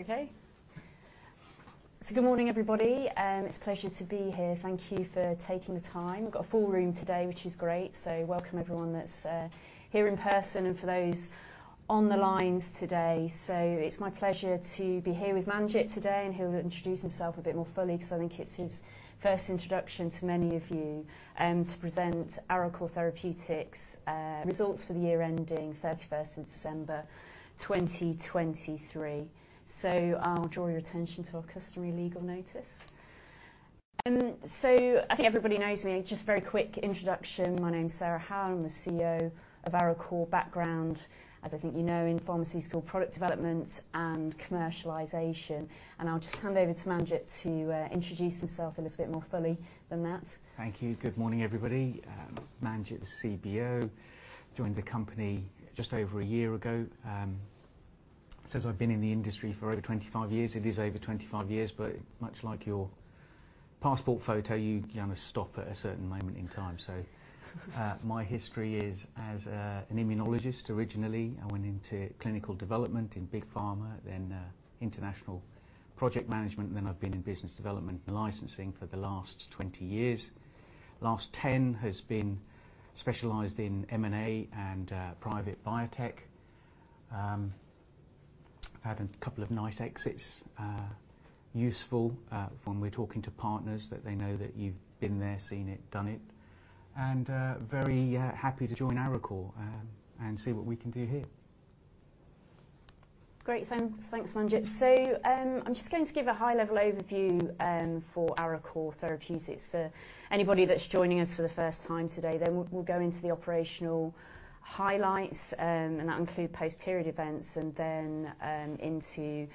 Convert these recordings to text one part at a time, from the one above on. Okay. So good morning, everybody, it's a pleasure to be here. Thank you for taking the time. Got a full room today, which is great. So welcome everyone that's here in person and for those on the lines today. So it's my pleasure to be here with Manjit today, and he'll introduce himself a bit more fully, because I think it's his first introduction to many of you, to present Arecor Therapeutics' results for the year ending thirty-first of December, twenty twenty-three. So I'll draw your attention to our customary legal notice. So I think everybody knows me. Just a very quick introduction. My name is Sarah Howell. I'm the CEO of Arecor. Background, as I think you know, in pharmaceutical product development and commercialization, and I'll just hand over to Manjit to introduce himself a little bit more fully than that. Thank you. Good morning, everybody. Manjit, the CBO, joined the company just over a year ago. Says I've been in the industry for over 25 years. It is over 25 years, but much like your passport photo, you kind of stop at a certain moment in time. My history is as an immunologist originally. I went into clinical development in big pharma, then international project management, and then I've been in business development and licensing for the last 20 years. Last 10 has been specialized in M&A and private biotech. I've had a couple of nice exits. Useful when we're talking to partners that they know that you've been there, seen it, done it, and very happy to join Arecor and see what we can do here. Great, thanks. Thanks, Manjit. So, I'm just going to give a high-level overview for Arecor Therapeutics, for anybody that's joining us for the first time today. Then, we'll go into the operational highlights, and that include post-period events and then into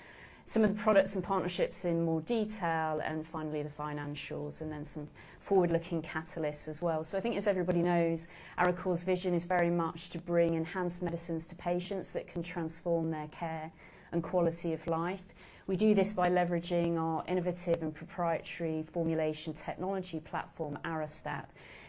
some of the products and partnerships in more detail, and finally, the financials, and then some forward-looking catalysts as well. So I think, as everybody knows, Arecor's vision is very much to bring enhanced medicines to patients that can transform their care and quality of life. We do this by leveraging our innovative and proprietary formulation technology platform, Arestat.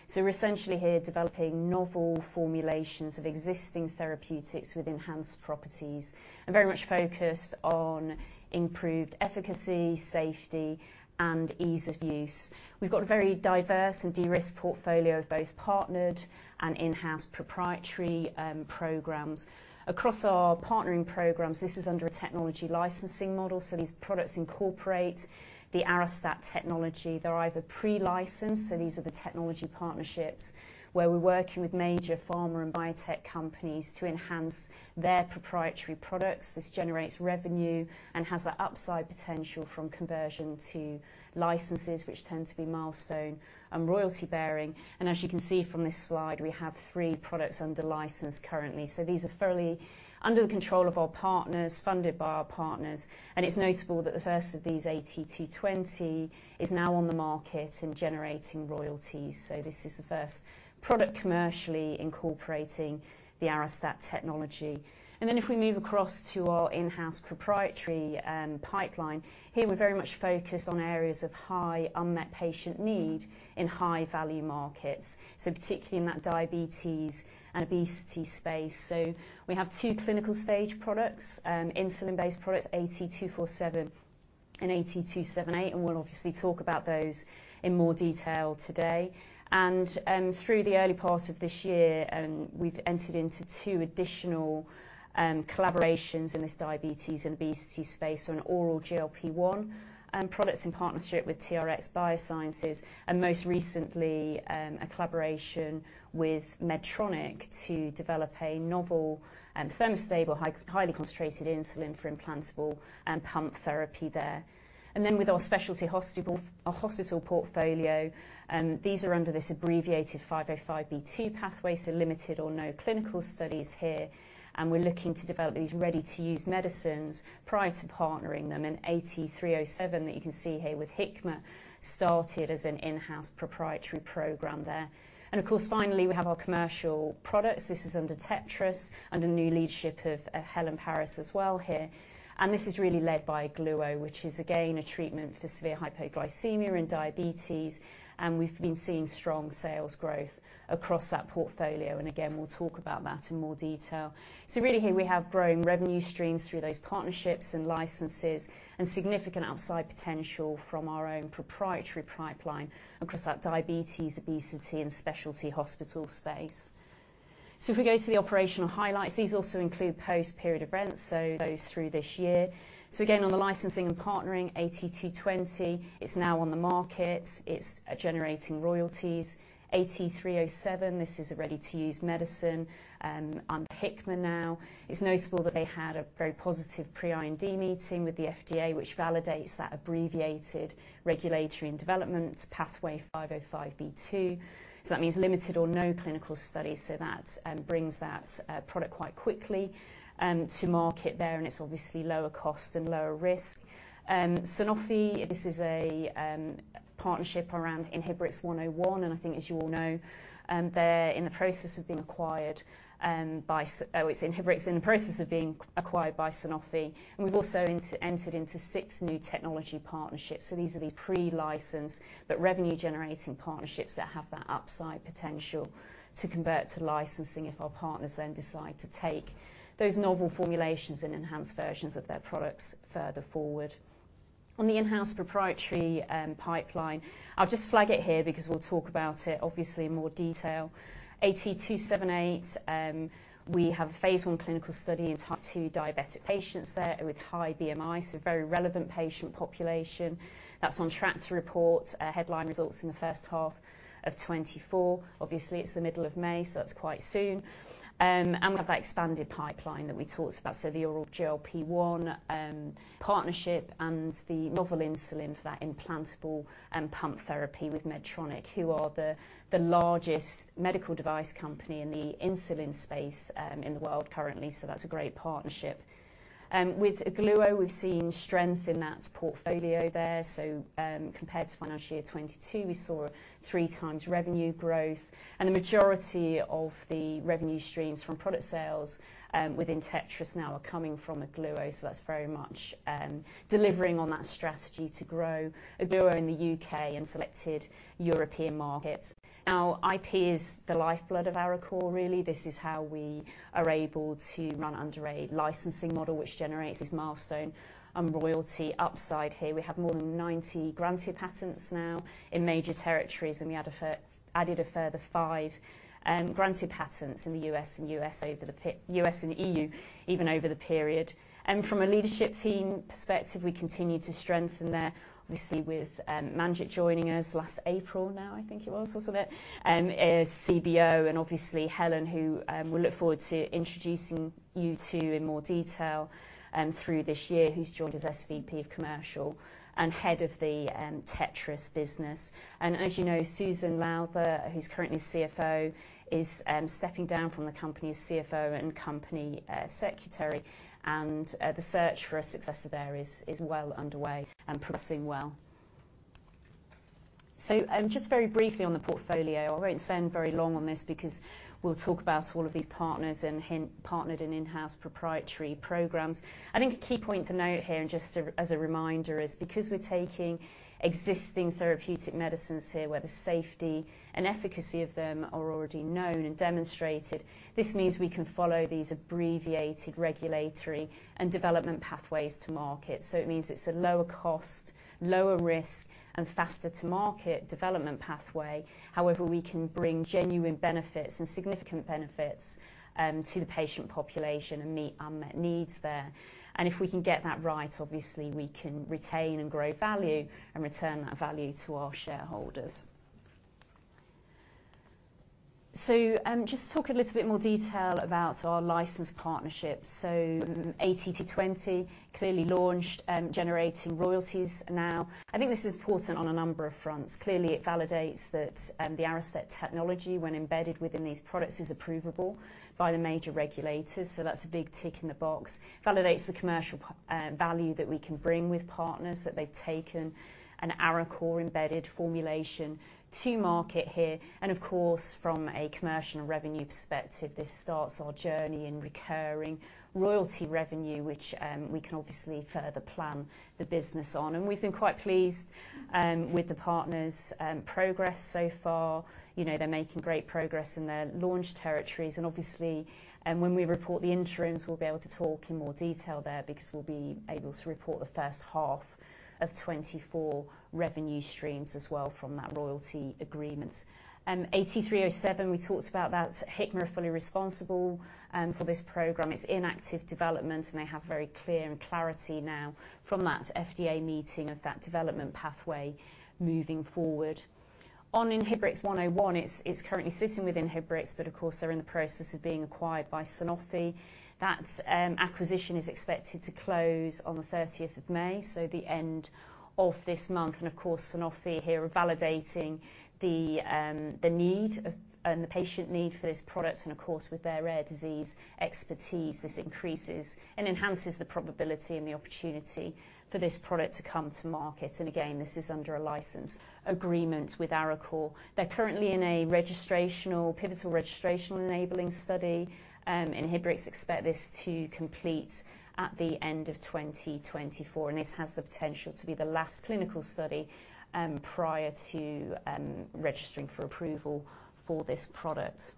So we're essentially here developing novel formulations of existing therapeutics with enhanced properties and very much focused on improved efficacy, safety, and ease of use. We've got a very diverse and de-risked portfolio of both partnered and in-house proprietary programs. Across our partnering programs, this is under a technology licensing model, so these products incorporate the Arestat technology. They're either pre-licensed, so these are the technology partnerships where we're working with major pharma and biotech companies to enhance their proprietary products. This generates revenue and has that upside potential from conversion to licenses, which tend to be milestone and royalty-bearing. As you can see from this slide, we have three products under license currently. These are thoroughly under the control of our partners, funded by our partners, and it's notable that the first of these, AT220, is now on the market and generating royalties. This is the first product commercially incorporating the Arestat technology. And then if we move across to our in-house proprietary pipeline, here, we're very much focused on areas of high unmet patient need in high-value markets, so particularly in that diabetes and obesity space. So we have two clinical stage products, insulin-based products, AT247 and AT278, and we'll obviously talk about those in more detail today. And through the early part of this year, we've entered into two additional collaborations in this diabetes and obesity space, an oral GLP-1 and products in partnership with TRx Biosciences, and most recently, a collaboration with Medtronic to develop a novel and thermostable, highly concentrated insulin for implantable and pump therapy there. And then with our specialty hospital, our hospital portfolio, these are under this abbreviated 505 pathway, so limited or no clinical studies here, and we're looking to develop these ready-to-use medicines prior to partnering them. AT307, that you can see here with Hikma, started as an in-house proprietary program there. Of course, finally, we have our commercial products. This is under Tetris, under the new leadership of Helen Parris as well here. This is really led by Ogluo, which is, again, a treatment for severe hypoglycemia and diabetes, and we've been seeing strong sales growth across that portfolio. Again, we'll talk about that in more detail. Really here we have growing revenue streams through those partnerships and licenses and significant upside potential from our own proprietary pipeline across that diabetes, obesity, and specialty hospital space. If we go to the operational highlights, these also include post-period events, those through this year. Again, on the licensing and partnering, AT220 is now on the market. It's generating royalties. AT307, this is a ready-to-use medicine under Hikma now. It's notable that they had a very positive Pre-IND meeting with the FDA, which validates that abbreviated regulatory and development pathway, 505(b)(2). So that means limited or no clinical study, so that brings that product quite quickly to market there, and it's obviously lower cost and lower risk. Sanofi, this is a partnership around INBRX-101, and I think as you all know, they're in the process of being acquired by Sanofi. Oh, it's Inhibrx in the process of being acquired by Sanofi. And we've also entered into six new technology partnerships. So these are the pre-license, but revenue-generating partnerships that have that upside potential to convert to licensing if our partners then decide to take those novel formulations and enhanced versions of their products further forward. On the in-house proprietary pipeline, I'll just flag it here because we'll talk about it obviously in more detail. AT278, we have a phase 1 clinical study in type 2 diabetic patients there with high BMI, so very relevant patient population. That's on track to report headline results in the first half of 2024. Obviously, it's the middle of May, so that's quite soon. And we have that expanded pipeline that we talked about, so the oral GLP-1 partnership and the novel insulin for that implantable and pump therapy with Medtronic, who are the largest medical device company in the insulin space in the world currently. So that's a great partnership. With Ogluo, we've seen strength in that portfolio there. So, compared to financial year 2022, we saw 3x revenue growth and the majority of the revenue streams from product sales within Tetris now are coming from Ogluo. So that's very much delivering on that strategy to grow Ogluo in the U.K. and selected European markets. Now, IP is the lifeblood of Arecor, really. This is how we are able to run under a licensing model, which generates this milestone and royalty upside here. We have more than 90 granted patents now in major territories, and we added a further five granted patents in the U.S. and EU, even over the period. From a leadership team perspective, we continue to strengthen there, obviously with Manjit joining us last April now, I think it was, wasn't it? As CBO, and obviously Helen, who we'll look forward to introducing you to in more detail through this year. Who's joined as SVP of Commercial and Head of the Tetris business. And as you know, Susan Lowther, who's currently CFO, is stepping down from the company's CFO and company secretary, and the search for a successor there is well underway and progressing well. So just very briefly on the portfolio, I won't spend very long on this because we'll talk about all of these partners and partnered and in-house proprietary programs. I think a key point to note here, and just as, as a reminder, is because we're taking existing therapeutic medicines here, where the safety and efficacy of them are already known and demonstrated, this means we can follow these abbreviated regulatory and development pathways to market. So it means it's a lower cost, lower risk, and faster-to-market development pathway. However, we can bring genuine benefits and significant benefits to the patient population and meet unmet needs there. And if we can get that right, obviously, we can retain and grow value and return that value to our shareholders. So, just talk a little bit more detail about our license partnerships. So AT220 clearly launched, generating royalties now. I think this is important on a number of fronts. Clearly, it validates that the Arestat technology, when embedded within these products, is approvable by the major regulators. So that's a big tick in the box. Validates the commercial value that we can bring with partners, that they've taken an Arecor-embedded formulation to market here. And of course, from a commercial and revenue perspective, this starts our journey in recurring royalty revenue, which we can obviously further plan the business on. And we've been quite pleased with the partners' progress so far. You know, they're making great progress in their launch territories. And obviously, when we report the interims, we'll be able to talk in more detail there because we'll be able to report the first half of 2024 revenue streams as well from that royalty agreement. AT307, we talked about that. Hikma are fully responsible for this program. It's in active development, and they have very clear and clarity now from that FDA meeting of that development pathway moving forward. On INBRX-101, it's currently sitting within Inhibrx, but of course, they're in the process of being acquired by Sanofi. That acquisition is expected to close on the thirtieth of May, so the end of this month. And of course, Sanofi here are validating the need of the patient need for this product, and of course, with their rare disease expertise, this increases and enhances the probability and the opportunity for this product to come to market. And again, this is under a license agreement with Arecor. They're currently in a registrational, pivotal registrational enabling study. Inhibrx expects this to complete at the end of 2024, and this has the potential to be the last clinical study prior to registering for approval for this product.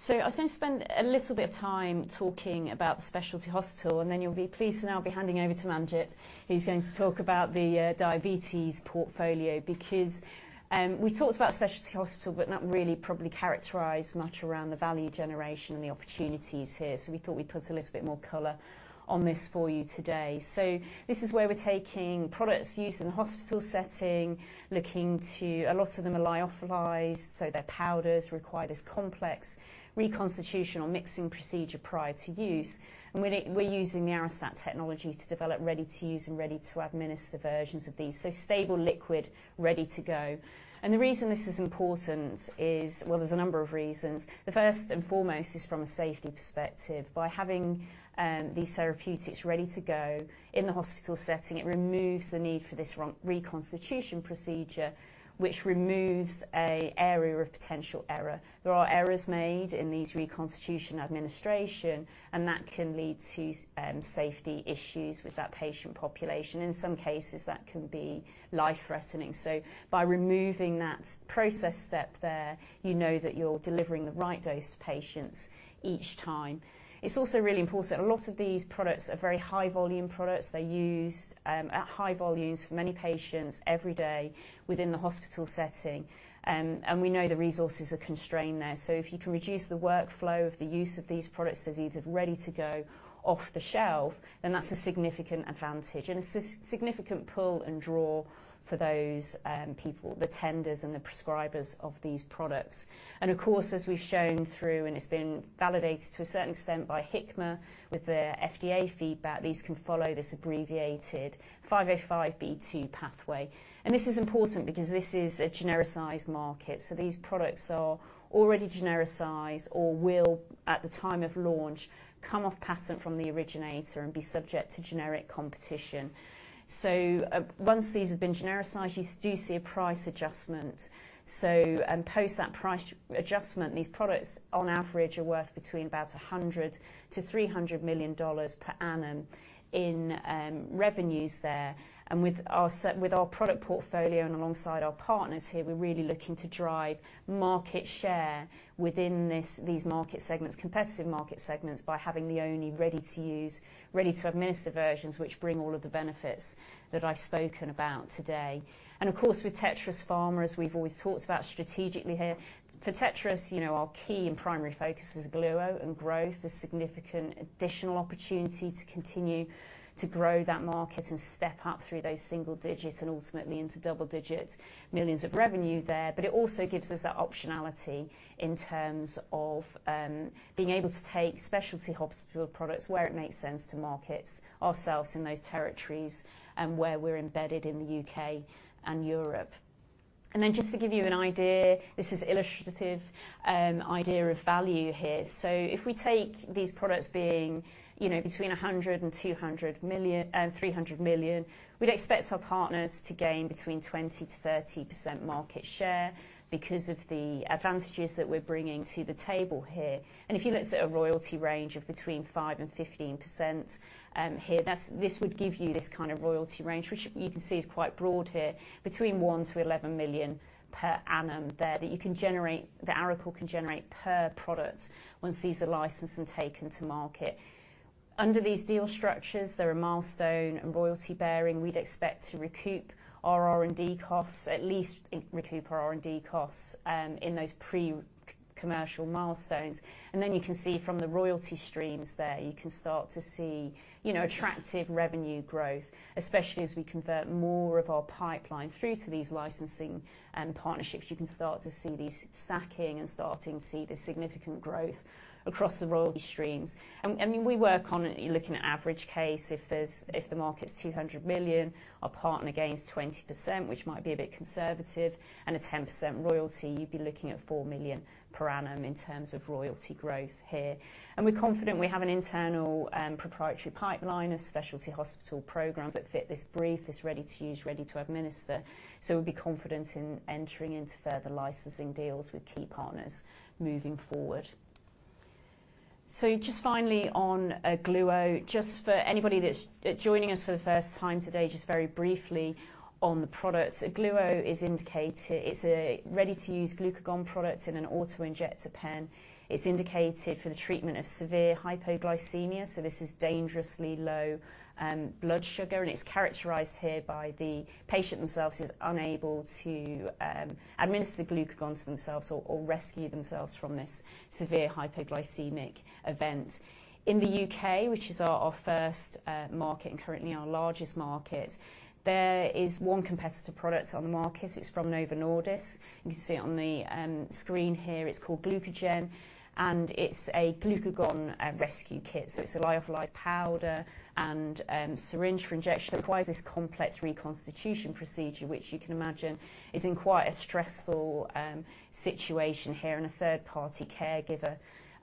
So I was going to spend a little bit of time talking about the specialty hospital, and then you'll be pleased to know I'll be handing over to Manjit, who's going to talk about the diabetes portfolio. Because we talked about specialty hospital, but not really probably characterized much around the value generation and the opportunities here, so we thought we'd put a little bit more color on this for you today. So this is where we're taking products used in the hospital setting, looking to... A lot of them are lyophilized, so their powders require this complex reconstitution or mixing procedure prior to use. We're using the Arestat technology to develop ready-to-use and ready-to-administer versions of these, so stable liquid, ready to go. The reason this is important is, well, there's a number of reasons. The first and foremost is from a safety perspective. By having these therapeutics ready to go in the hospital setting, it removes the need for this reconstitution procedure, which removes an area of potential error. There are errors made in these reconstitution administration, and that can lead to safety issues with that patient population. In some cases, that can be life-threatening. By removing that process step there, you know that you're delivering the right dose to patients each time. It's also really important, a lot of these products are very high-volume products. They're used at high volumes for many patients every day within the hospital setting. We know the resources are constrained there. So if you can reduce the workflow of the use of these products that are either ready to go off the shelf, then that's a significant advantage and a significant pull and draw for those people, the tenders and the prescribers of these products. And of course, as we've shown through, and it's been validated to a certain extent by Hikma with the FDA feedback, these can follow this abbreviated 505(b)(2) pathway. This is important because this is a genericized market, so these products are already genericized or will, at the time of launch, come off patent from the originator and be subject to generic competition. So, once these have been genericized, you do see a price adjustment. Post that price adjustment, these products, on average, are worth between about $100 million-$300 million per annum in revenues there. And with our product portfolio and alongside our partners here, we're really looking to drive market share within this, these market segments, competitive market segments, by having the only ready-to-use, ready-to-administer versions, which bring all of the benefits that I've spoken about today. And, of course, with Tetris Pharma, as we've always talked about strategically here, for Tetris, you know, our key and primary focus is Ogluo and growth. A significant additional opportunity to continue to grow that market and step up through those single digits and ultimately into double digits, millions of revenue there. But it also gives us that optionality in terms of, being able to take specialty hospital products, where it makes sense, to markets ourselves in those territories and where we're embedded in the UK and Europe. And then just to give you an idea, this is illustrative, idea of value here. So if we take these products being, you know, between 100 million and 200 million, 300 million, we'd expect our partners to gain between 20%-30% market share because of the advantages that we're bringing to the table here. If you looked at a royalty range of between 5%-15%, here, this would give you this kind of royalty range, which you can see is quite broad here, between 1-11 million per annum there, that you can generate, that Arecor can generate per product once these are licensed and taken to market. Under these deal structures, there are milestone and royalty bearing. We'd expect to recoup our R&D costs, at least recoup our R&D costs, in those pre-commercial milestones. Then you can see from the royalty streams there, you can start to see, you know, attractive revenue growth, especially as we convert more of our pipeline through to these licensing, partnerships. You can start to see these stacking and starting to see the significant growth across the royalty streams. I mean, we work on it looking at average case, if the market's 200 million, our partner gains 20%, which might be a bit conservative, and a 10% royalty, you'd be looking at 4 million per annum in terms of royalty growth here. We're confident we have an internal, proprietary pipeline of specialty hospital programs that fit this brief, is ready to use, ready to administer, so we'll be confident in entering into further licensing deals with key partners moving forward. So just finally, on Ogluo, just for anybody that's joining us for the first time today, just very briefly on the product. Ogluo is indicated... It's a ready-to-use glucagon product in an auto-injector pen. It's indicated for the treatment of severe hypoglycemia, so this is dangerously low blood sugar, and it's characterized here by the patient themselves is unable to administer the glucagon to themselves or rescue themselves from this severe hypoglycemic event. In the U.K., which is our first market and currently our largest market, there is one competitor product on the market. It's from Novo Nordisk. You can see it on the screen here. It's called GlucaGen, and it's a glucagon rescue kit, so it's a lyophilized powder and syringe for injection. It requires this complex reconstitution procedure, which you can imagine is in quite a stressful situation here, and a third-party caregiver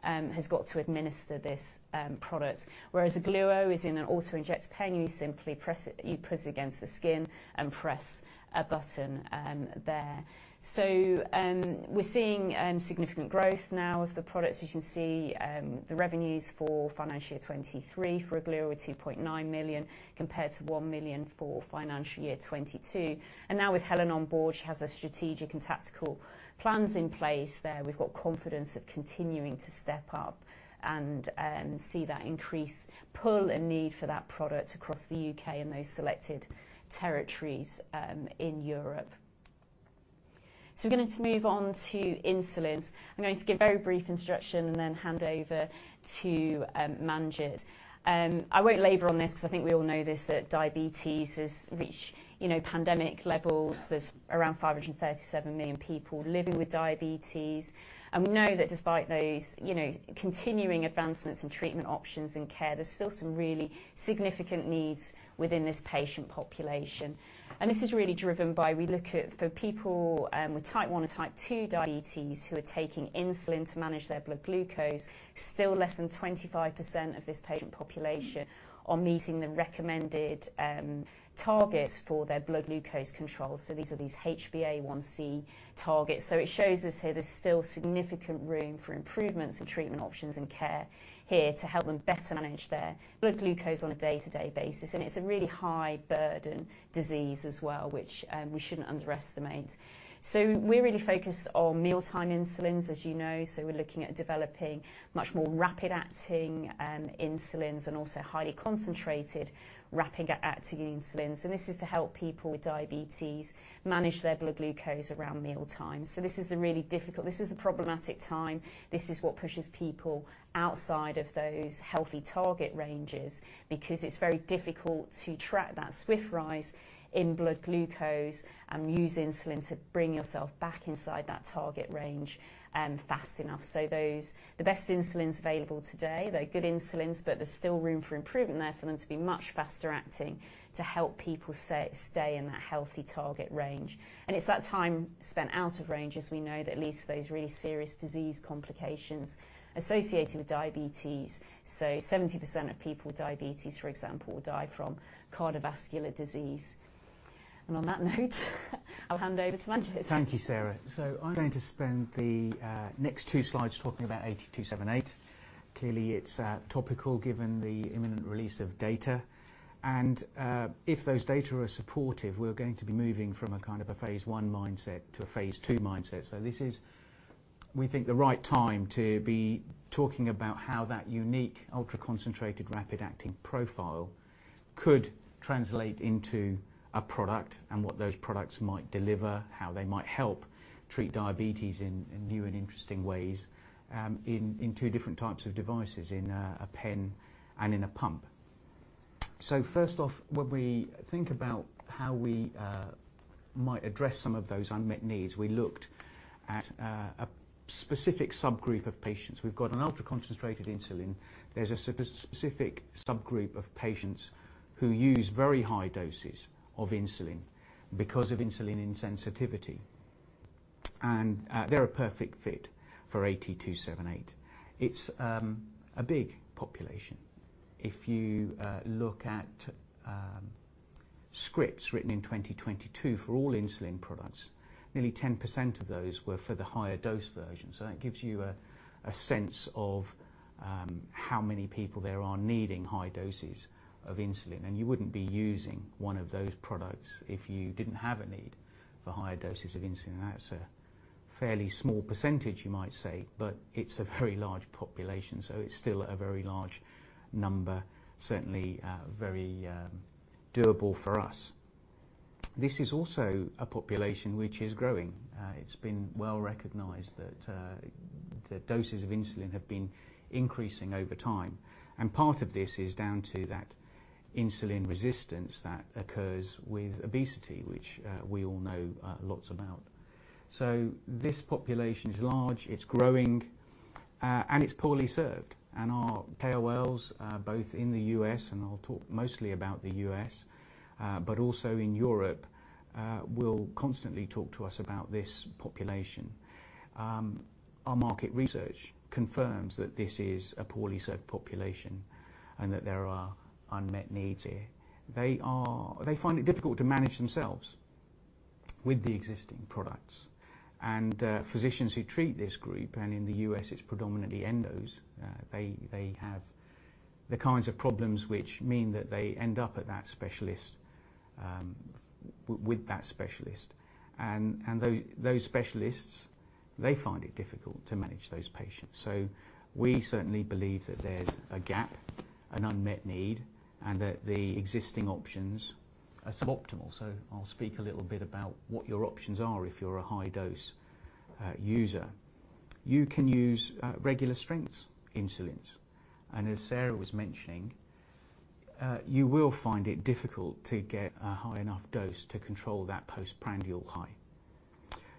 has got to administer this product. Whereas Ogluo is in an auto-injector pen, you simply press it, you press it against the skin and press a button, there. So, we're seeing significant growth now of the products. You can see the revenues for financial year 2023 for Ogluo were 2.9 million, compared to 1 million for financial year 2022. And now with Helen on board, she has a strategic and tactical plans in place there. We've got confidence of continuing to step up and see that increase pull and need for that product across the U.K. and those selected territories in Europe. So we're going to move on to insulins. I'm going to give a very brief introduction and then hand over to Manjit. I won't labor on this because I think we all know this, that diabetes has reached, you know, pandemic levels. There's around 537 million people living with diabetes. We know that despite those, you know, continuing advancements in treatment options and care, there's still some really significant needs within this patient population. This is really driven by, we look at for people with Type 1 and Type 2 diabetes who are taking insulin to manage their blood glucose, still less than 25% of this patient population are meeting the recommended targets for their blood glucose control, so these are these HbA1c targets. It shows us here there's still significant room for improvements in treatment options and care here to help them better manage their blood glucose on a day-to-day basis. It's a really high burden disease as well, which we shouldn't underestimate. We're really focused on mealtime insulins, as you know. So we're looking at developing much more rapid-acting insulins and also highly concentrated, rapid-acting insulins. And this is to help people with diabetes manage their blood glucose around mealtime. So this is the really difficult. This is the problematic time. This is what pushes people outside of those healthy target ranges, because it's very difficult to track that swift rise in blood glucose and use insulin to bring yourself back inside that target range fast enough. So those, the best insulins available today, they're good insulins, but there's still room for improvement there for them to be much faster acting, to help people say, stay in that healthy target range. And it's that time spent out of range, as we know, that leads to those really serious disease complications associated with diabetes. So 70% of people with diabetes, for example, die from cardiovascular disease. On that note, I'll hand over to Manjit. Thank you, Sarah. So I'm going to spend the next two slides talking about AT278. Clearly, it's topical, given the imminent release of data, and if those data are supportive, we're going to be moving from a kind of a phase one mindset to a phase two mindset. So this is, we think, the right time to be talking about how that unique, ultra-concentrated, rapid-acting profile could translate into a product and what those products might deliver, how they might help treat diabetes in new and interesting ways, in two different types of devices, in a pen and in a pump. So first off, when we think about how we might address some of those unmet needs, we looked at a specific subgroup of patients. We've got an ultra-concentrated insulin. There's a specific subgroup of patients who use very high doses of insulin because of insulin insensitivity, and they're a perfect fit for AT278. It's a big population. If you look at scripts written in 2022 for all insulin products, nearly 10% of those were for the higher dose version, so that gives you a sense of how many people there are needing high doses of insulin. And you wouldn't be using one of those products if you didn't have a need for higher doses of insulin. That's a fairly small percentage, you might say, but it's a very large population, so it's still a very large number, certainly very doable for us. This is also a population which is growing. It's been well recognized that the doses of insulin have been increasing over time, and part of this is down to that insulin resistance that occurs with obesity, which we all know lots about. So this population is large, it's growing, and it's poorly served, and our KOLs both in the U.S., and I'll talk mostly about the U.S., but also in Europe, will constantly talk to us about this population. Our market research confirms that this is a poorly served population, and that there are unmet needs here. They find it difficult to manage themselves with the existing products, and physicians who treat this group, and in the U.S., it's predominantly endos. They have the kinds of problems which mean that they end up at that specialist, with that specialist, and those specialists find it difficult to manage those patients. So we certainly believe that there's a gap, an unmet need, and that the existing options are suboptimal. So I'll speak a little bit about what your options are if you're a high-dose user. You can use regular strength insulins, and as Sarah was mentioning, you will find it difficult to get a high enough dose to control that postprandial high,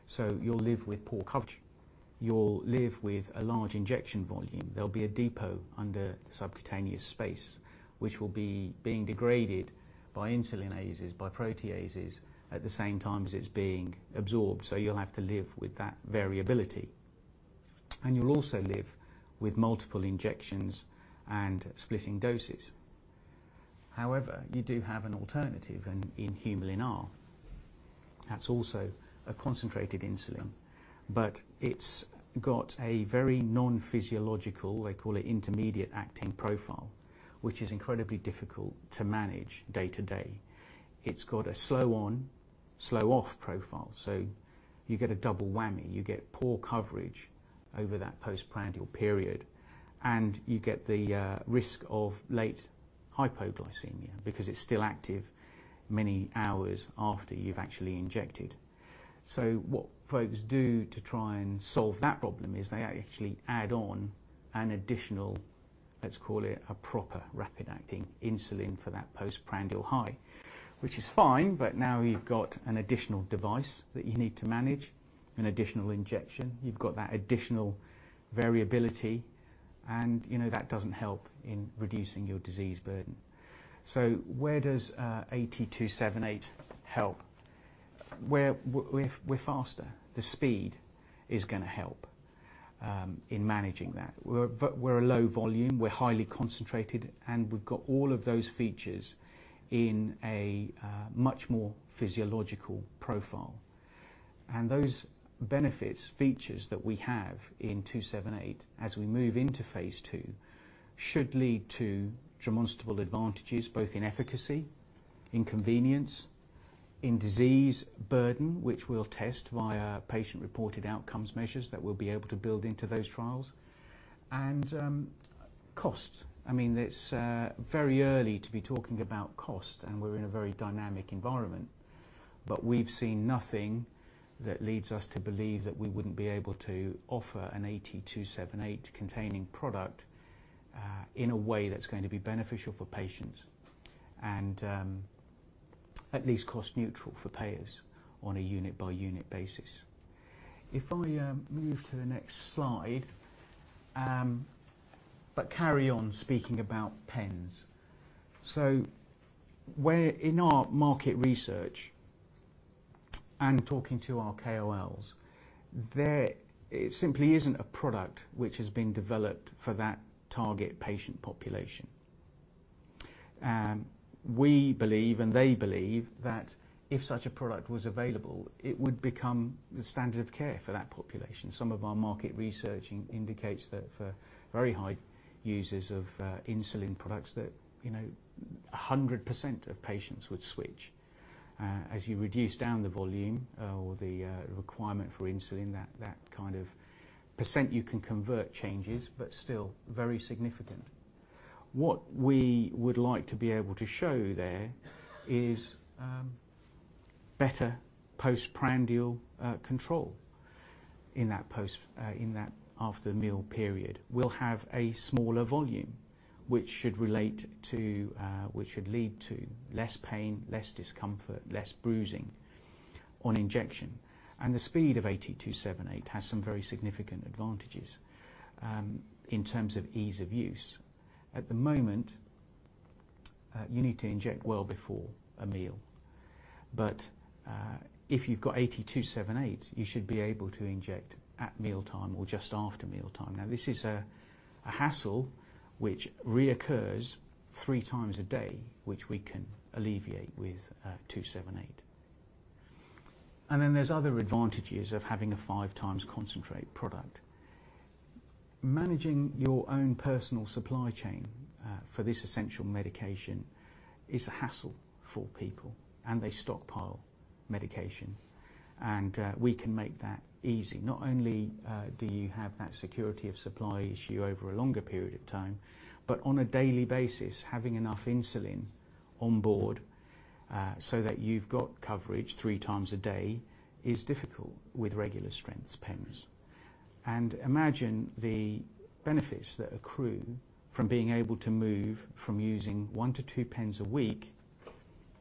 so you'll live with poor coverage. You'll live with a large injection volume. There'll be a depot under the subcutaneous space, which will be being degraded by insulinases, by proteases, at the same time as it's being absorbed, so you'll have to live with that variability. You'll also live with multiple injections and splitting doses. However, you do have an alternative and in Humulin R, that's also a concentrated insulin, but it's got a very non-physiological, they call it intermediate acting profile, which is incredibly difficult to manage day to day. It's got a slow on, slow off profile, so you get a double whammy. You get poor coverage over that postprandial period, and you get the risk of late hypoglycemia because it's still active many hours after you've actually injected. So what folks do to try and solve that problem is they actually add on an additional, let's call it, a proper rapid-acting insulin for that postprandial high, which is fine, but now you've got an additional device that you need to manage, an additional injection. You've got that additional variability, and, you know, that doesn't help in reducing your disease burden. So where does AT278 help? Where we're faster. The speed is gonna help in managing that. We're a low volume, we're highly concentrated, and we've got all of those features in a much more physiological profile. And those benefits, features that we have in AT278, as we move into phase 2, should lead to demonstrable advantages, both in efficacy, in convenience, in disease burden, which we'll test via patient-reported outcomes measures that we'll be able to build into those trials, and, cost. I mean, it's, very early to be talking about cost, and we're in a very dynamic environment, but we've seen nothing that leads us to believe that we wouldn't be able to offer an AT278 containing product, in a way that's going to be beneficial for patients and, at least cost neutral for payers on a unit-by-unit basis. If I, move to the next slide, but carry on speaking about pens. So where... In our market research-... Talking to our KOLs, there simply isn't a product which has been developed for that target patient population. We believe, and they believe, that if such a product was available, it would become the standard of care for that population. Some of our market research indicates that for very high users of insulin products, that, you know, 100% of patients would switch. As you reduce down the volume or the requirement for insulin, that kind of percent you can convert changes, but still very significant. What we would like to be able to show there is better postprandial control in that post in that after meal period. We'll have a smaller volume, which should lead to less pain, less discomfort, less bruising on injection. The speed of AT278 has some very significant advantages in terms of ease of use. At the moment, you need to inject well before a meal, but if you've got AT278, you should be able to inject at mealtime or just after mealtime. Now, this is a hassle which recurs three times a day, which we can alleviate with AT278. And then there's other advantages of having a five times concentrate product. Managing your own personal supply chain for this essential medication is a hassle for people, and they stockpile medication. We can make that easy. Not only do you have that security of supply issue over a longer period of time, but on a daily basis, having enough insulin on board so that you've got coverage three times a day, is difficult with regular strength pens. Imagine the benefits that accrue from being able to move from using 1-2 pens a week,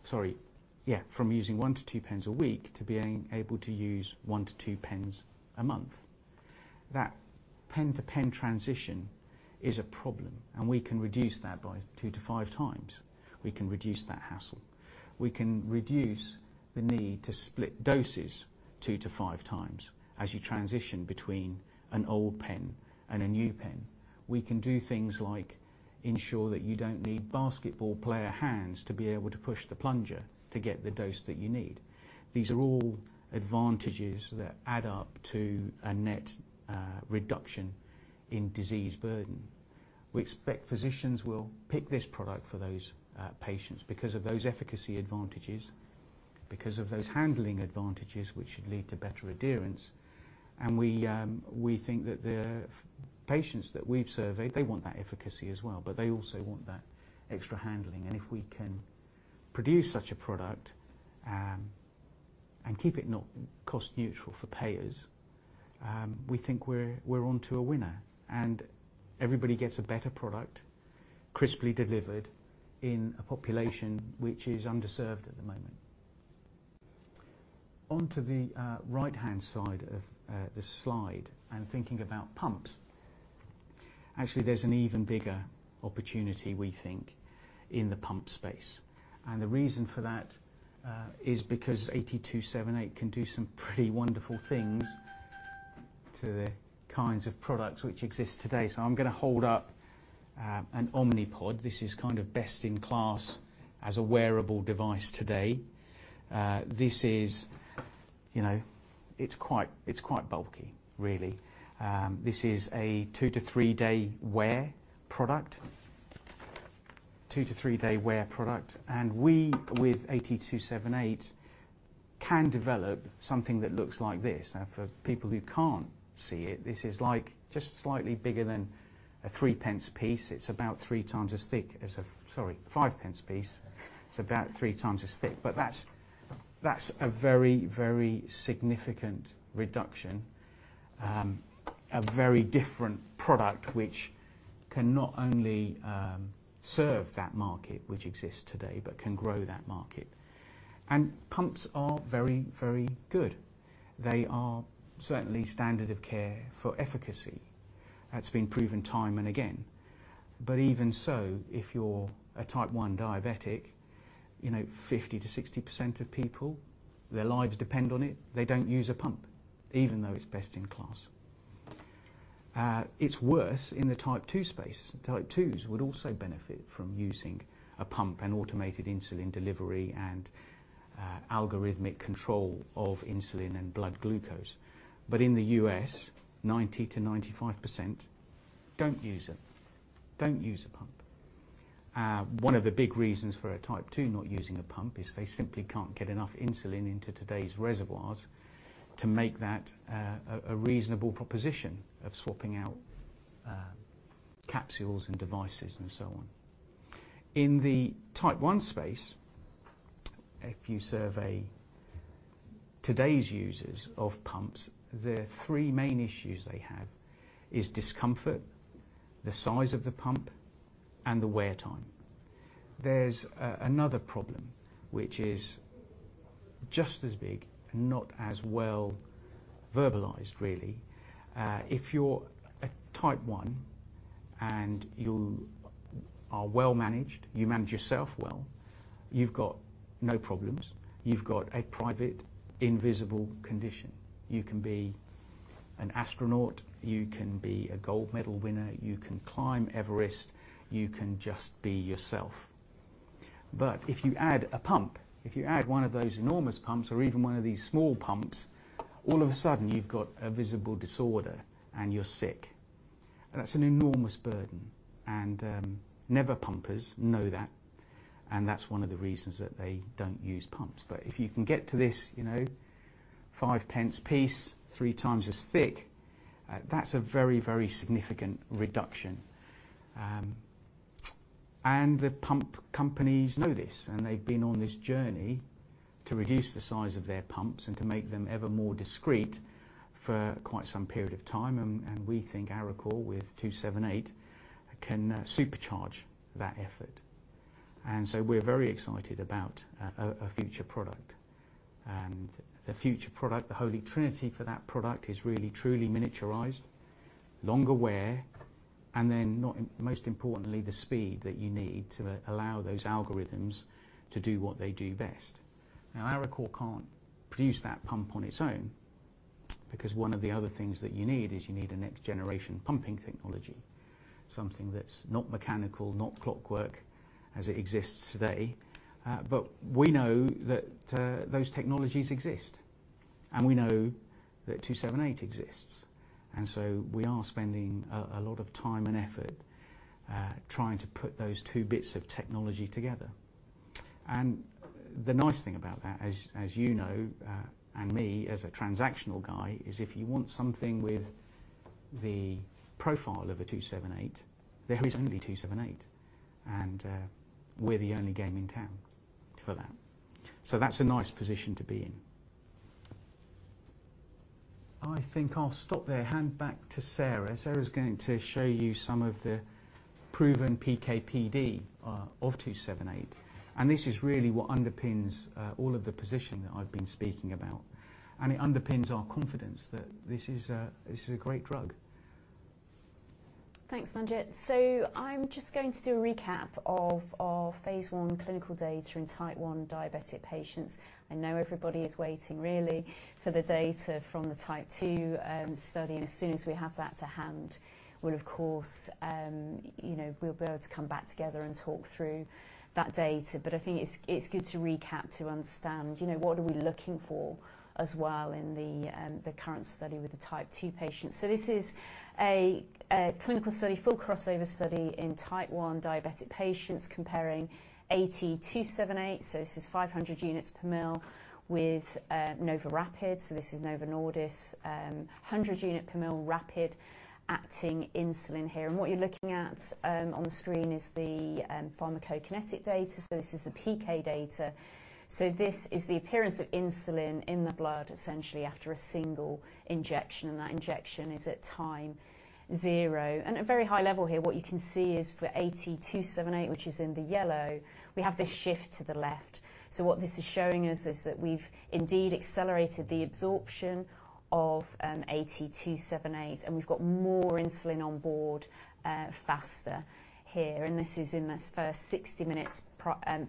sorry, yeah, from using 1-2 pens a week to being able to use 1-2 pens a month. That pen-to-pen transition is a problem, and we can reduce that by 2 times-5 times. We can reduce that hassle. We can reduce the need to split doses 2 times-5 times as you transition between an old pen and a new pen. We can do things like ensure that you don't need basketball player hands to be able to push the plunger to get the dose that you need. These are all advantages that add up to a net reduction in disease burden. We expect physicians will pick this product for those patients because of those efficacy advantages, because of those handling advantages, which should lead to better adherence. And we think that the patients that we've surveyed, they want that efficacy as well, but they also want that extra handling. And if we can produce such a product and keep it not cost neutral for payers, we think we're onto a winner, and everybody gets a better product, crisply delivered, in a population which is underserved at the moment. Onto the right-hand side of this slide and thinking about pumps. Actually, there's an even bigger opportunity, we think, in the pump space. And the reason for that is because AT278 can do some pretty wonderful things to the kinds of products which exist today. So I'm gonna hold up an Omnipod. This is kind of best in class as a wearable device today. This is, you know, it's quite, it's quite bulky, really. This is a 2-3-day wear product. 2-3-day wear product, and we, with AT278, can develop something that looks like this. Now, for people who can't see it, this is like just slightly bigger than a 3-pence piece. It's about three times as thick as a... sorry, 5-pence piece. It's about three times as thick, but that's, that's a very, very significant reduction. A very different product which can not only serve that market which exists today, but can grow that market. Pumps are very, very good. They are certainly standard of care for efficacy. That's been proven time and again, but even so, if you're a Type 1 diabetic, you know, 50%-60% of people, their lives depend on it. They don't use a pump, even though it's best in class. It's worse in the Type 2 space. Type 2s would also benefit from using a pump, an automated insulin delivery, and algorithmic control of insulin and blood glucose. But in the U.S., 90%-95% don't use it, don't use a pump. One of the big reasons for a Type 2 not using a pump is they simply can't get enough insulin into today's reservoirs to make that a reasonable proposition of swapping out capsules and devices and so on. In the Type 1 space, if you survey today's users of pumps, the three main issues they have is discomfort, the size of the pump, and the wear time. There's another problem, which is just as big and not as well verbalized, really. If you're a Type 1 and you are well managed, you manage yourself well, you've got no problems. You've got a private, invisible condition. You can be an astronaut, you can be a gold medal winner, you can climb Everest, you can just be yourself. But if you add a pump, if you add one of those enormous pumps or even one of these small pumps, all of a sudden you've got a visible disorder and you're sick. That's an enormous burden, and never pumpers know that, and that's one of the reasons that they don't use pumps. But if you can get to this, you know, 5 pence piece, 3 times as thick, that's a very, very significant reduction. The pump companies know this, and they've been on this journey to reduce the size of their pumps and to make them ever more discreet for quite some period of time. And we think Arecor with AT278 can supercharge that effort. And so we're very excited about a future product. The future product, the holy trinity for that product, is really truly miniaturized, longer wear, and then, most importantly, the speed that you need to allow those algorithms to do what they do best. Now, Arecor can't produce that pump on its own because one of the other things that you need is you need a next generation pumping technology, something that's not mechanical, not clockwork, as it exists today. But we know that those technologies exist, and we know that AT278 exists, and so we are spending a lot of time and effort trying to put those two bits of technology together. And the nice thing about that, as you know and me, as a transactional guy, is if you want something with the profile of a AT278, there is only AT278, and we're the only game in town for that. So that's a nice position to be in. I think I'll stop there, hand back to Sarah. Sarah is going to show you some of the proven PK/PD of 278, and this is really what underpins all of the position that I've been speaking about, and it underpins our confidence that this is a, this is a great drug. Thanks, Manjit. So I'm just going to do a recap of our phase 1 clinical data in type 1 diabetic patients. I know everybody is waiting really for the data from the type 2 study, and as soon as we have that to hand, we'll of course, you know, we'll be able to come back together and talk through that data. But I think it's good to recap to understand, you know, what are we looking for as well in the current study with the type 2 patients. So this is a clinical study, full crossover study in type 1 diabetic patients comparing AT278, so this is 500 units per ml, with NovoRapid. So this is Novo Nordisk, 100 units per ml rapid acting insulin here. What you're looking at on the screen is the pharmacokinetic data, so this is the PK data. So this is the appearance of insulin in the blood, essentially, after a single injection, and that injection is at time zero. And at a very high level here, what you can see is for AT278, which is in the yellow, we have this shift to the left. So what this is showing us is that we've indeed accelerated the absorption of AT278, and we've got more insulin on board faster here, and this is in this first 60 minutes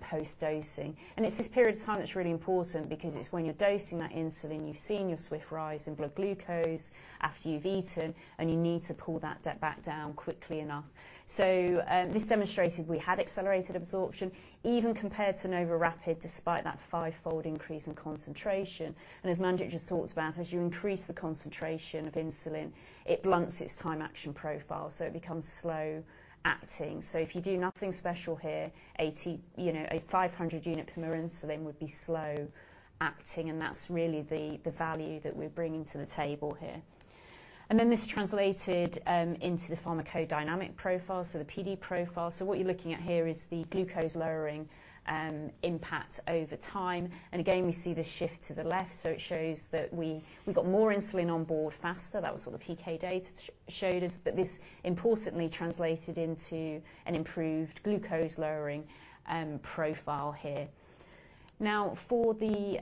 post-dosing. And it's this period of time that's really important because it's when you're dosing that insulin, you've seen your swift rise in blood glucose after you've eaten, and you need to pull that back down quickly enough. So, this demonstrated we had accelerated absorption even compared to NovoRapid, despite that fivefold increase in concentration. And as Manjit just talked about, as you increase the concentration of insulin, it blunts its time action profile, so it becomes slow acting. So if you do nothing special here, AT, you know, a 500 unit per mL insulin would be slow acting, and that's really the value that we're bringing to the table here. And then, this translated into the pharmacodynamic profile, so the PD profile. So what you're looking at here is the glucose lowering impact over time, and again, we see this shift to the left. So it shows that we've got more insulin on board faster. That was what the PK data showed us, but this importantly translated into an improved glucose lowering profile here. Now, for the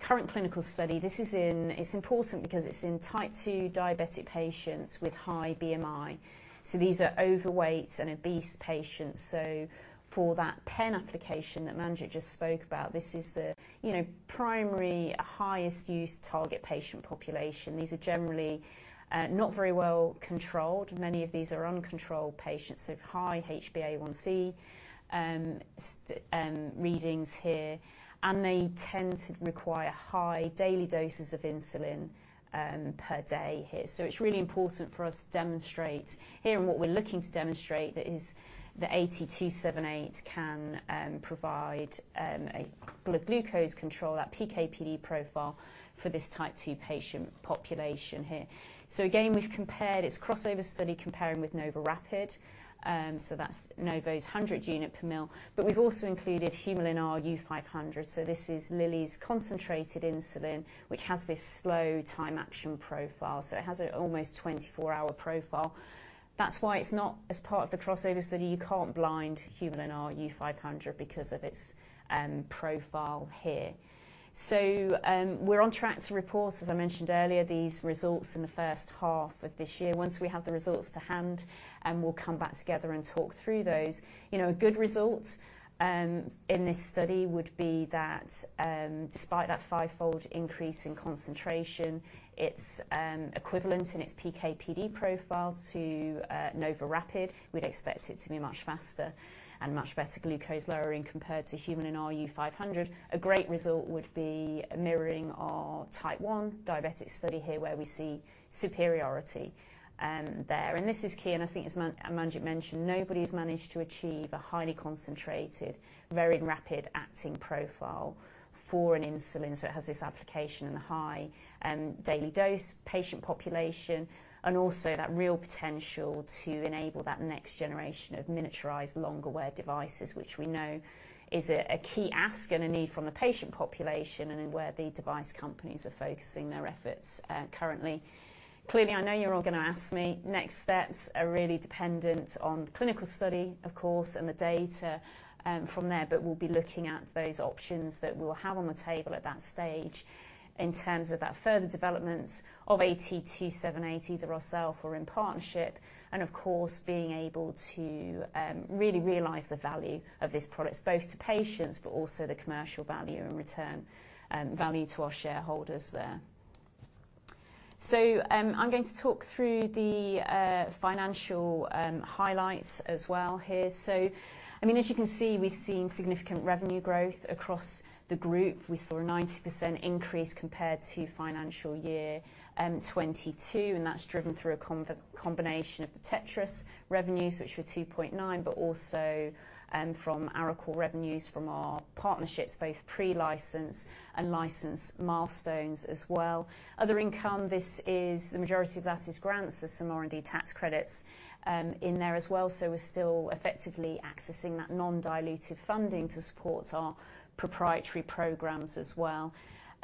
current clinical study, this is in. It's important because it's in type 2 diabetic patients with high BMI. So these are overweight and obese patients. So for that pen application that Manjit just spoke about, this is the, you know, primary, highest use target patient population. These are generally not very well controlled. Many of these are uncontrolled patients, so high HbA1c readings here, and they tend to require high daily doses of insulin per day here. So it's really important for us to demonstrate here, and what we're looking to demonstrate is the AT278 can provide a blood glucose control, that PK/PD profile for this type 2 patient population here. So again, we've compared; it's a crossover study comparing with NovoRapid, so that's Novo's 100 unit per ml. But we've also included Humulin R U500, so this is Lilly's concentrated insulin, which has this slow time action profile, so it has an almost 24-hour profile. That's why it's not as part of the crossover study. You can't blind Humulin R U500 because of its profile here. So, we're on track to report, as I mentioned earlier, these results in the first half of this year. Once we have the results to hand, we'll come back together and talk through those. You know, a good result in this study would be that, despite that fivefold increase in concentration, it's equivalent in its PK/PD profile to NovoRapid. We'd expect it to be much faster and much better glucose lowering compared to Humulin R U500. A great result would be mirroring our Type 1 diabetic study here, where we see superiority there. And this is key, and I think as Manjit mentioned, nobody's managed to achieve a highly concentrated, very rapid acting profile for an insulin. So it has this application in the high, daily dose patient population, and also that real potential to enable that next generation of miniaturized, longer-wear devices, which we know is a key ask and a need from the patient population, and where the device companies are focusing their efforts, currently. Clearly, I know you're all gonna ask me. Next steps are really dependent on clinical study, of course, and the data from there. But we'll be looking at those options that we'll have on the table at that stage in terms of that further development of AT278, either ourself or in partnership, and of course, being able to really realize the value of this product, both to patients, but also the commercial value and return value to our shareholders there. So, I'm going to talk through the financial highlights as well here. So, I mean, as you can see, we've seen significant revenue growth across the group. We saw a 90% increase compared to financial year 2022, and that's driven through a combination of the Tetris revenues, which were 2.9, but also from Arecor revenues from our partnerships, both pre-license and license milestones as well. Other income, the majority of that is grants. There's some R&D tax credits in there as well, so we're still effectively accessing that non-dilutive funding to support our proprietary programs as well.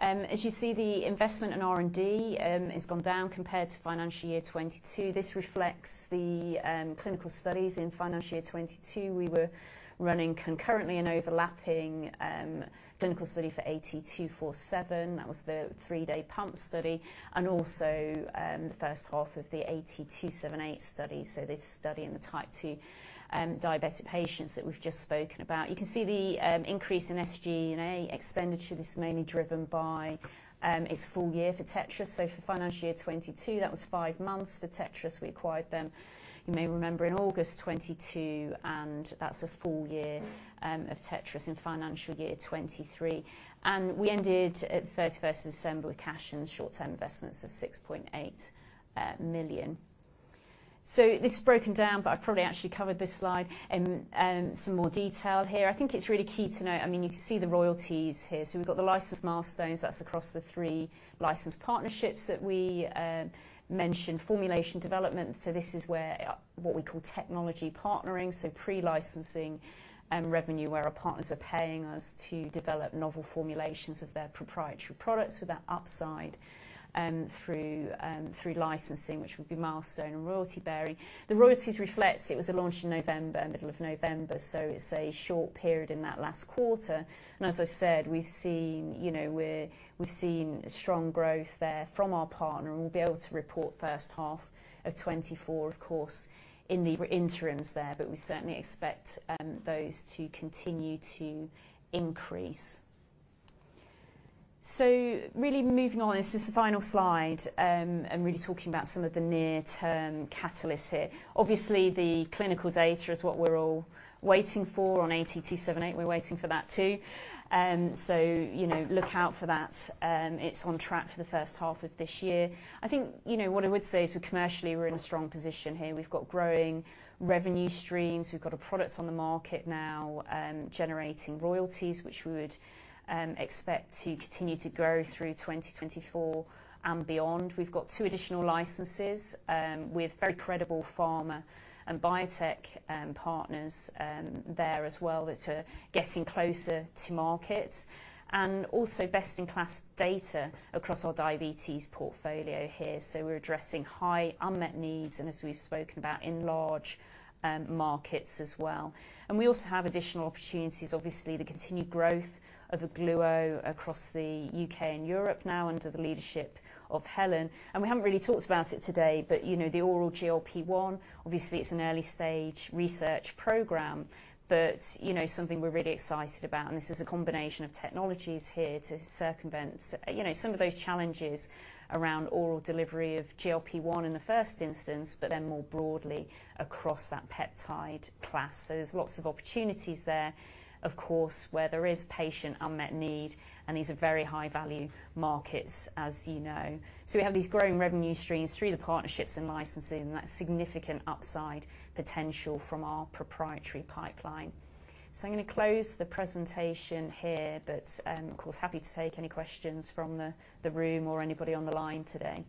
As you see, the investment in R&D has gone down compared to financial year 2022. This reflects the clinical studies in financial year 2022. We were running concurrently and overlapping clinical study for AT247. That was the three-day pump study and also the first half of the AT278 study. So this study in the Type 2 diabetic patients that we've just spoken about. You can see the increase in SG&A expenditure. This is mainly driven by... It's a full year for Tetris. So for financial year 2022, that was 5 months for Tetris. We acquired them, you may remember, in August 2022, and that's a full year of Tetris in financial year 2023. We ended at thirty-first of December with cash and short-term investments of 6.8 million. So this is broken down, but I've probably actually covered this slide, some more detail here. I think it's really key to note, I mean, you can see the royalties here. So we've got the license milestones. That's across the three license partnerships that we mentioned. Formulation development, so this is where what we call technology partnering, so pre-licensing revenue, where our partners are paying us to develop novel formulations of their proprietary products with that upside through licensing, which would be milestone and royalty bearing. The royalties reflect it was a launch in November, middle of November, so it's a short period in that last quarter. As I said, we've seen, you know, we've seen strong growth there from our partner, and we'll be able to report first half of 2024, of course, in the interims there, but we certainly expect those to continue to increase. So really moving on, this is the final slide. And really talking about some of the near-term catalysts here. Obviously, the clinical data is what we're all waiting for on AT278. We're waiting for that, too. So, you know, look out for that. It's on track for the first half of this year. I think, you know, what I would say is we're commercially, we're in a strong position here. We've got growing revenue streams. We've got a product on the market now, generating royalties, which we would expect to continue to grow through 2024 and beyond. We've got two additional licenses with very credible pharma and biotech partners there as well that are getting closer to market. And also best-in-class data across our diabetes portfolio here. So we're addressing high unmet needs, and as we've spoken about, in large markets as well. And we also have additional opportunities, obviously, the continued growth of Ogluo across the U.K. and Europe now under the leadership of Helen. And we haven't really talked about it today, but you know, the oral GLP-1, obviously, it's an early-stage research program, but you know, something we're really excited about, and this is a combination of technologies here to circumvent you know, some of those challenges around oral delivery of GLP-1 in the first instance, but then more broadly across that peptide class. So there's lots of opportunities there, of course, where there is patient unmet need, and these are very high-value markets, as you know. So we have these growing revenue streams through the partnerships and licensing, and that's significant upside potential from our proprietary pipeline. So I'm going to close the presentation here, but, of course, happy to take any questions from the room or anybody on the line today.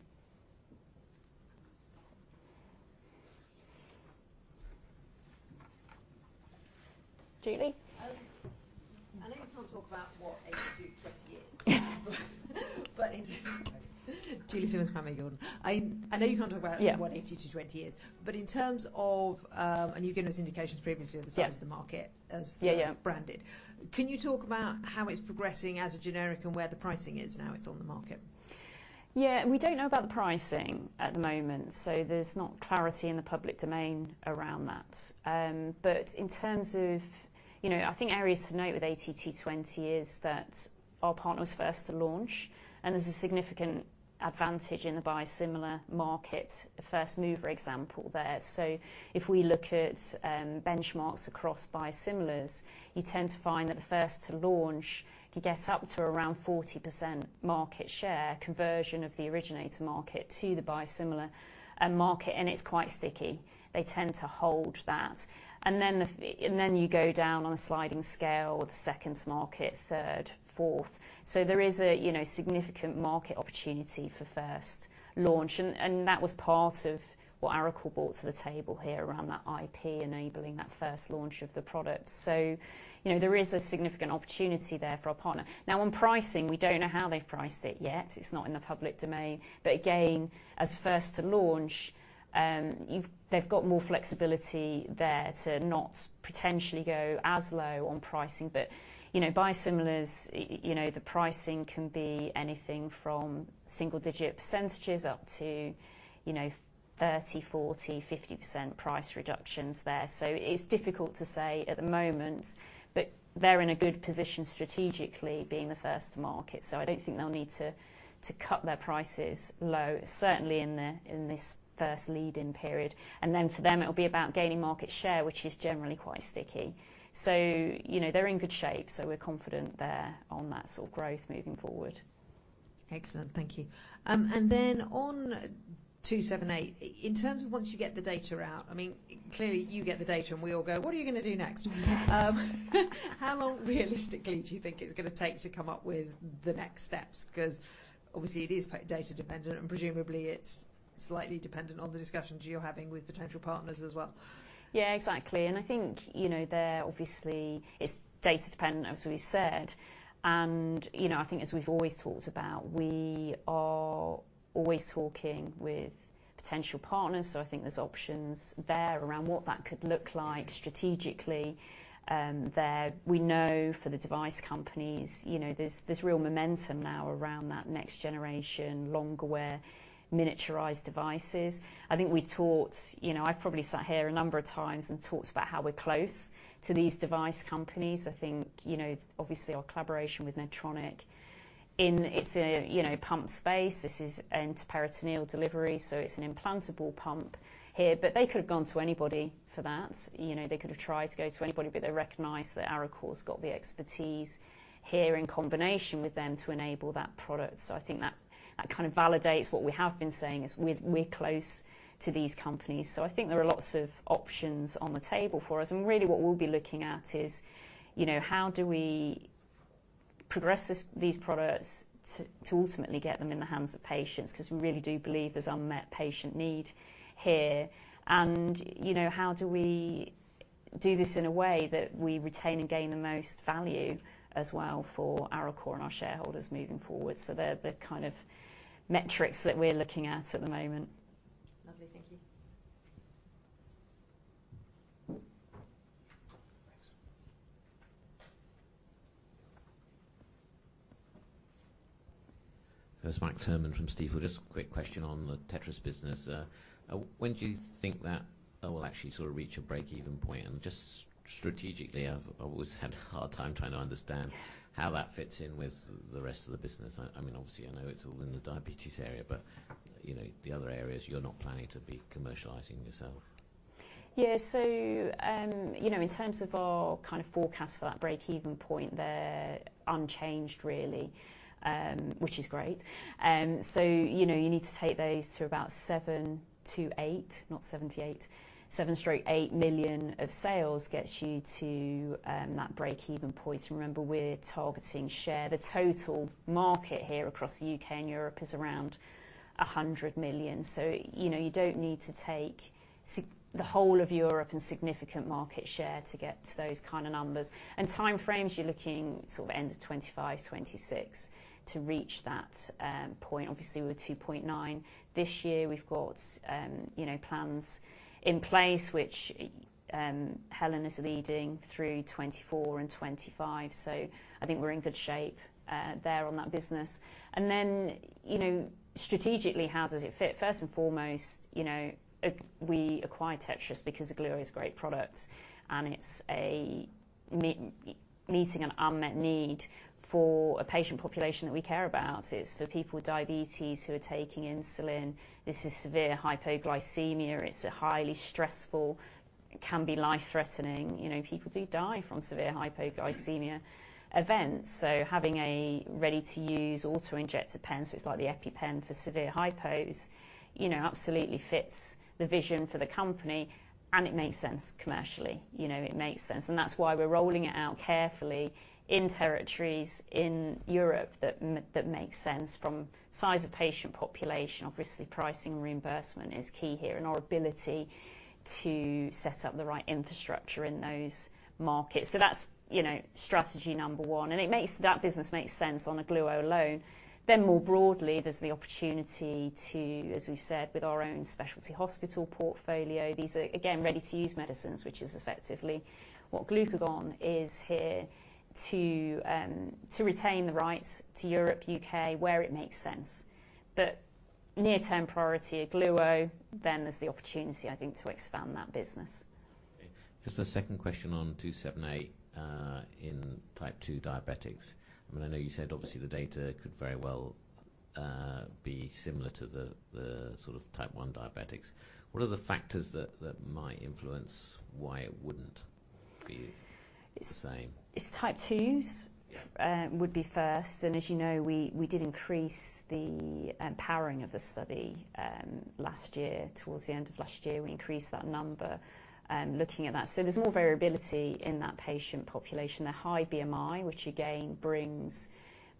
Julie? I think you want to talk about what AT220 is.... But in Julie Simmonds, Kramer Jordan. I know you can't talk about- Yeah what AT247 is. But in terms of, and you've given us indications previously of the size- Yeah of the market as Yeah, yeah -branded. Can you talk about how it's progressing as a generic and where the pricing is now it's on the market? Yeah, we don't know about the pricing at the moment, so there's not clarity in the public domain around that. But in terms of, you know, I think areas to note with AT220 is that our partner was first to launch, and there's a significant advantage in the biosimilar market, a first mover example there. So if we look at benchmarks across biosimilars, you tend to find that the first to launch can get up to around 40% market share conversion of the originator market to the biosimilar market, and it's quite sticky. They tend to hold that. And then you go down on a sliding scale with the second to market, third, fourth. So there is a, you know, significant market opportunity for first launch, and that was part of what Arecor brought to the table here around that IP, enabling that first launch of the product. So, you know, there is a significant opportunity there for our partner. Now, on pricing, we don't know how they've priced it yet. It's not in the public domain. But again, as first to launch, they've got more flexibility there to not potentially go as low on pricing. But, you know, biosimilars, you know, the pricing can be anything from single-digit percentages up to, you know, 30, 40, 50% price reductions there. So it's difficult to say at the moment, but they're in a good position strategically, being the first to market, so I don't think they'll need to cut their prices low, certainly in this first lead-in period. And then for them, it'll be about gaining market share, which is generally quite sticky. So, you know, they're in good shape, so we're confident there on that sort of growth moving forward. Excellent. Thank you. And then on AT278, in terms of once you get the data out, I mean, clearly, you get the data, and we all go, "What are you gonna do next? Yes. How long realistically do you think it's gonna take to come up with the next steps? 'Cause obviously it is quite data dependent, and presumably, it's slightly dependent on the discussions you're having with potential partners as well. Yeah, exactly. And I think, you know, there obviously it's data dependent, as we said, and, you know, I think as we've always talked about, we are always talking with potential partners, so I think there's options there around what that could look like strategically, there. We know for the device companies, you know, there's, there's real momentum now around that next generation, longer wear, miniaturized devices. I think we talked... You know, I've probably sat here a number of times and talked about how we're close to these device companies. I think, you know, obviously, our collaboration with Medtronic in its, you know, pump space, this is an intraperitoneal delivery, so it's an implantable pump here. But they could have gone to anybody for that. You know, they could have tried to go to anybody, but they recognized that Arecor's got the expertise here in combination with them to enable that product. So I think that, that kind of validates what we have been saying is we're, we're close to these companies. So I think there are lots of options on the table for us, and really what we'll be looking at is, you know, how do we progress this, these products to, to ultimately get them in the hands of patients? 'Cause we really do believe there's unmet patient need here. And, you know, how do we do this in a way that we retain and gain the most value as well for Arecor and our shareholders moving forward? So they're the kind of metrics that we're looking at at the moment. Lovely. Thank you. Thanks. There's Max Herrmann from Stifel. Just a quick question on the Tetris business. When do you think that will actually sort of reach a break-even point? And just strategically, I've always had a hard time trying to understand how that fits in with the rest of the business. I mean, obviously, I know it's all in the diabetes area, but you know, the other areas you're not planning to be commercializing yourself. Yeah. So, you know, in terms of our kind of forecast for that break-even point, they're unchanged really, which is great. So, you know, you need to take those to about 7-8, not 78, 7-8 million of sales gets you to that break-even point. Remember, we're targeting share. The total market here across the U.K. and Europe is around 100 million, so, you know, you don't need to take the whole of Europe and significant market share to get to those kind of numbers. And time frames, you're looking sort of end of 2025, 2026 to reach that point. Obviously, we're 2.9 million this year. We've got, you know, plans in place, which Helen is leading through 2024 and 2025, so I think we're in good shape there on that business. Then, you know, strategically, how does it fit? First and foremost, you know, we acquired Tetris because Ogluo is a great product, and it's meeting an unmet need for a patient population that we care about. It's for people with diabetes who are taking insulin. This is severe hypoglycemia. It's a highly stressful, can be life-threatening. You know, people do die from severe hypoglycemia events, so having a ready-to-use auto-injector pen, so it's like the EpiPen for severe hypos, you know, absolutely fits the vision for the company, and it makes sense commercially. You know, it makes sense, and that's why we're rolling it out carefully in territories in Europe that makes sense from size of patient population, obviously, pricing and reimbursement is key here, and our ability to set up the right infrastructure in those markets. So that's, you know, strategy number one, and it makes that business make sense on Ogluo alone. Then more broadly, there's the opportunity to, as we've said, with our own specialty hospital portfolio, these are, again, ready-to-use medicines, which is effectively what glucagon is here to retain the rights to Europe, U.K., where it makes sense. But near-term priority Ogluo, then there's the opportunity, I think, to expand that business. Okay. Just a second question on 278, in Type 2 diabetics. I mean, I know you said obviously the data could very well be similar to the sort of Type 1 diabetics. What are the factors that might influence why it wouldn't be the same? It's Type 2s- Yeah. Would be first, and as you know, we, we did increase the powering of the study last year. Towards the end of last year, we increased that number, looking at that. So there's more variability in that patient population. They're high BMI, which again, brings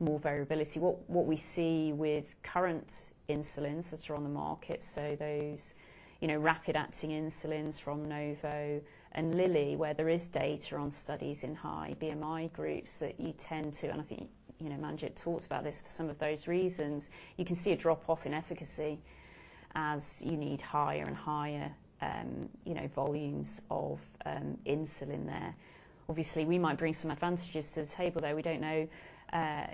more variability. What, what we see with current insulins that are on the market, so those, you know, rapid-acting insulins from Novo and Lilly, where there is data on studies in high BMI groups that you tend to, and I think, you know, Manjit talked about this for some of those reasons. You can see a drop-off in efficacy as you need higher and higher, you know, volumes of insulin there. Obviously, we might bring some advantages to the table, though we don't know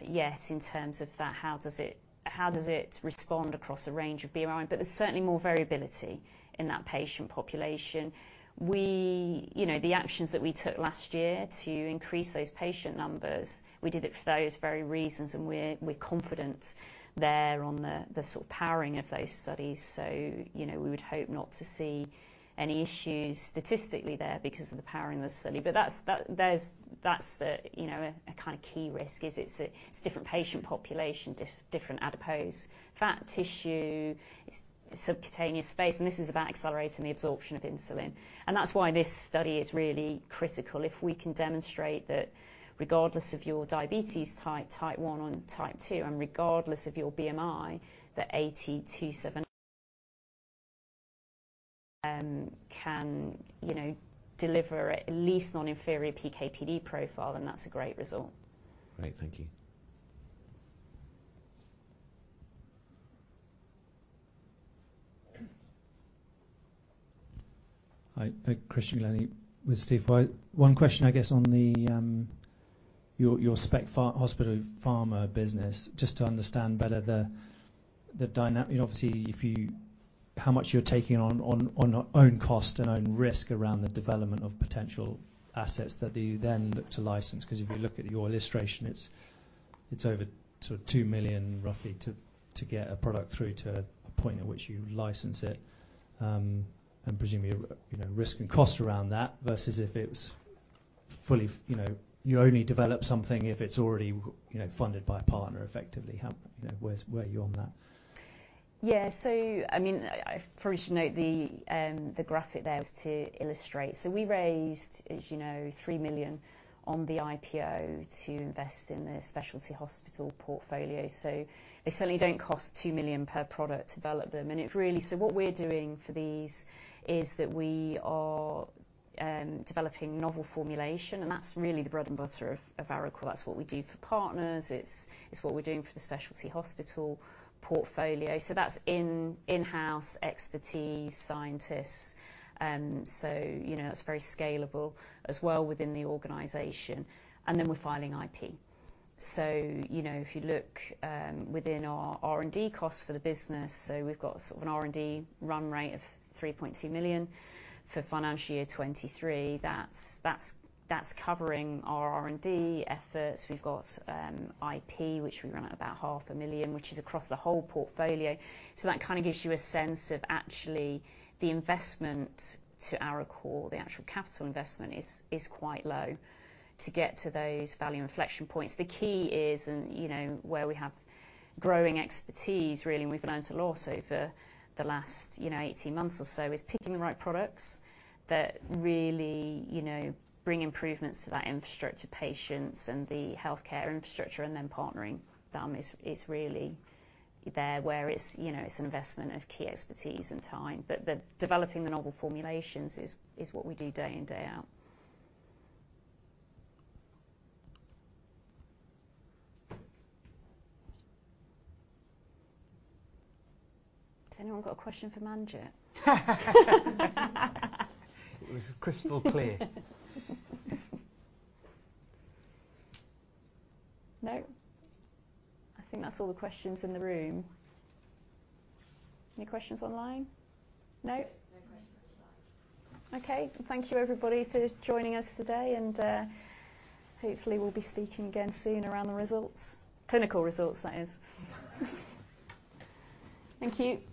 yet in terms of that, how does it respond across a range of BMI? But there's certainly more variability in that patient population. You know, the actions that we took last year to increase those patient numbers, we did it for those very reasons, and we're confident there on the sort of powering of those studies. So, you know, we would hope not to see any issues statistically there because of the powering of the study. But that's the, you know, a kind of key risk is it's a different patient population, different adipose fat tissue, it's subcutaneous space, and this is about accelerating the absorption of insulin. And that's why this study is really critical. If we can demonstrate that regardless of your diabetes type, Type 1 or Type 2, and regardless of your BMI, that AT274 can, you know, deliver at least non-inferior PK/PD profile, and that's a great result. Great. Thank you. Hi, Christian Glennie with Steve. One question, I guess, on the, your specialty hospital pharma business, just to understand better the, the dynamics. Obviously, if you—how much you're taking on, on, own cost and own risk around the development of potential assets that you then look to license. Because if you look at your illustration, it's, it's over sort of 2 million, roughly, to, to get a product through to a point at which you license it. And presumably, you know, risk and cost around that versus if it's fully, you know, you only develop something if it's already, you know, funded by a partner effectively. How, you know, where's, where are you on that? Yeah. So, I mean, I first note the graphic there is to illustrate. So we raised, as you know, 3 million on the IPO to invest in the specialty hospital portfolio. So they certainly don't cost 2 million per product to develop them, and it really... So what we're doing for these is that we are developing novel formulation, and that's really the bread and butter of Arecor. That's what we do for partners, it's what we're doing for the specialty hospital portfolio. So that's in-house expertise, scientists, so you know, that's very scalable as well within the organization, and then we're filing IP. So, you know, if you look within our R&D costs for the business, so we've got sort of an R&D run rate of 3.2 million for financial year 2023. That's covering our R&D efforts. We've got IP, which we run at about 500,000, which is across the whole portfolio. So that kind of gives you a sense of actually the investment to Arecor; the actual capital investment is quite low to get to those value inflection points. The key is, you know, where we have growing expertise, really, and we've learned a lot over the last, you know, 18 months or so: picking the right products that really, you know, bring improvements to patients and the healthcare infrastructure, and then partnering them is really where it's, you know, an investment of key expertise and time. But developing the novel formulations is what we do day in, day out. Has anyone got a question for Manjit? It was crystal clear. No? I think that's all the questions in the room. Any questions online? No. No questions online. Okay. Thank you, everybody, for joining us today, and hopefully we'll be speaking again soon around the results. Clinical results, that is. Thank you.